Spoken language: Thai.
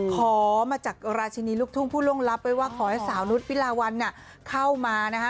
ขอมาจากราชินีลูกทุ่งผู้ล่วงลับไว้ว่าขอให้สาวนุษย์วิลาวันเข้ามานะฮะ